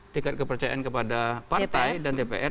tingkat kepercayaan kepada partai dan dpr